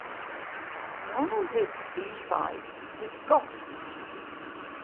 One of its B-sides is "Gough".